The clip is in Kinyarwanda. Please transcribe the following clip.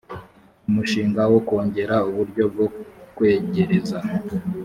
umushinga wo kongera uburyo bwo kwegereza